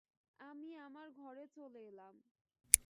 আমি আমার ঘরে চলে এলাম।